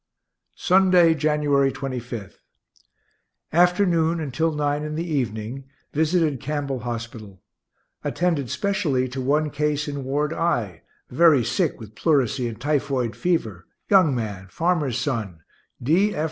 Sunday, January 25. Afternoon and till 9 in the evening, visited Campbell hospital. Attended specially to one case in Ward I, very sick with pleurisy and typhoid fever, young man, farmer's son D. F.